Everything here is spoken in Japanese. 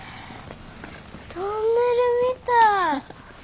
トンネルみたい。